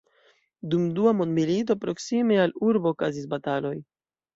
Dum Dua mondmilito proksime al urbo okazis bataloj.